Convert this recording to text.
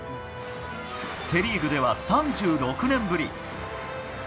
セ・リーグでは３６年ぶり。